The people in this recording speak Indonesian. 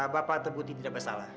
bapak terbukti tidak bersalah